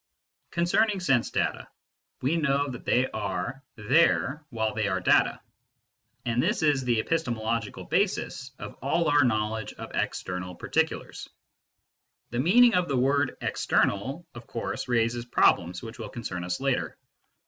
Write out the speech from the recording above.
148 MYSTICISM AND LOGIC Concerning sense data, we know that they are there while they are data, and this is the epistemological basis of all our knowledge of external particulars. (The mean ing of the word " external " of course raises problems which will concern us later.)